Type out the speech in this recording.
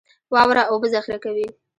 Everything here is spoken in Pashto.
واوره اوبه ذخیره کوي